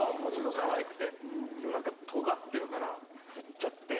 かわいくてでも何かとがってるからふっちゃって。